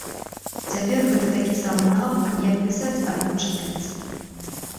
Цяпер гэта такі самы навык, як пісаць альбо чытаць.